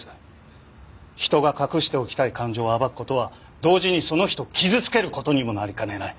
人が隠しておきたい感情を暴く事は同時にその人を傷つける事にもなりかねない。